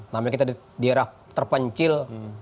namanya kita di daerah terpencil